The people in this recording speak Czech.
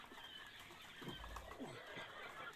Máme-li však být upřímní, je třeba zmínit jeden detail.